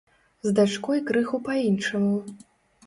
З дачкой крыху па-іншаму.